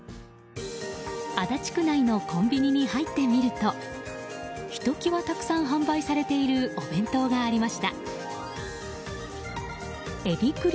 足立区内のコンビニに入ってみるとひときわたくさん販売されているお弁当がありました。